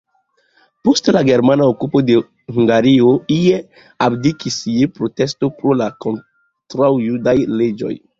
Post la germana okupo de Hungario le abdikis je protesto pro la kontraŭjudaj leĝoj.